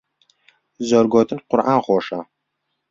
زۆر گۆتن قورئان خۆشە.